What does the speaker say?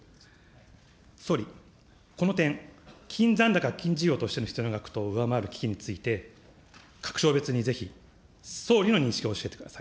総理、この点、基金残高基金事業として必要な上回る基金について、各省別にぜひ総理の認識を教えてください。